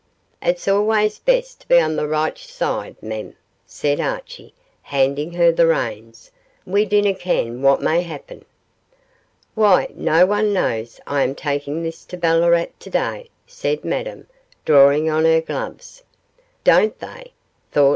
'It's always best to be on the richt side, mem,' said Archie, handing her the reins; 'we dinna ken what may happen.' 'Why, no one knows I am taking this to Ballarat to day,' said Madame, drawing on her gloves. 'Don't they?' thought M.